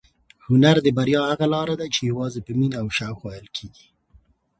هنر د بریا هغه لاره ده چې یوازې په مینه او شوق وهل کېږي.